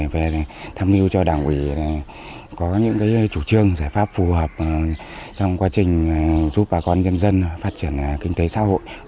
về tham mưu cho đảng ủy có những chủ trương giải pháp phù hợp trong quá trình giúp bà con nhân dân phát triển kinh tế xã hội